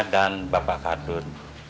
dan bapak khardun